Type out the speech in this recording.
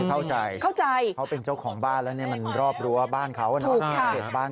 อันนี้เข้าใจเป็นเจ้าของบ้านแล้วมันรอบรั้วบ้านเขานะฮะ